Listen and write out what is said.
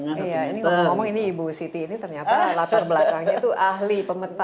ngomong ngomong ini ibu siti ini ternyata latar belakangnya tuh ahli pemetan